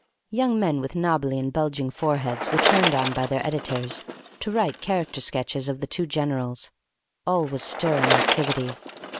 Young men with knobbly and bulging foreheads were turned on by their editors to write character sketches of the two generals. All was stir and activity.